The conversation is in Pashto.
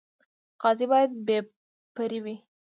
قاضي باید بې پرې وي